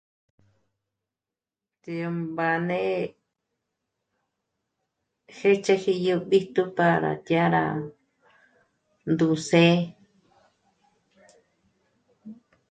T'embáne hêch'eji yó bíjtu para dyàra ndǜs'é'e